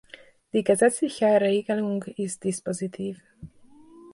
Die gesetzliche Regelung ist dispositiv.